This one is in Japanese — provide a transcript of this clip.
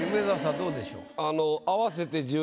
どうでしょうか？